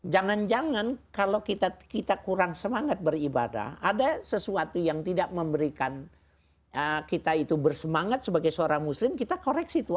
jangan jangan kalau kita kurang semangat beribadah ada sesuatu yang tidak memberikan kita itu bersemangat sebagai seorang muslim kita koreksi itu